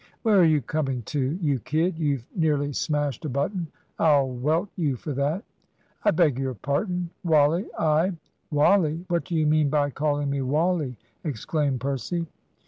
"Where are you coming to, you kid. You've nearly smashed a button. I'll welt you for that." "I beg your pardon, Wally, I " "Wally what do you mean by calling me Wally?" exclaimed Percy.